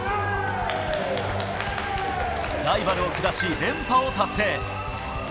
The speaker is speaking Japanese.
ライバルを下し連覇を達成。